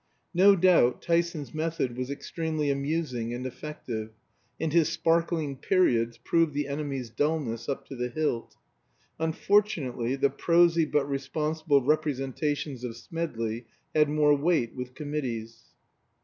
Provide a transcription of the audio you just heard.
No doubt Tyson's method was extremely amusing and effective, and his sparkling periods proved the enemy's dullness up to the hilt; unfortunately, the prosy but responsible representations of Smedley had more weight with committees.